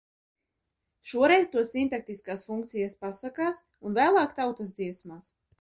Šoreiz to sintaktiskās funkcijas pasakās un vēlāk tautas dziesmās.